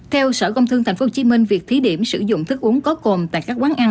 theo sở công thương tp hcm việc thí điểm sử dụng thức uống có cồn tại các quán ăn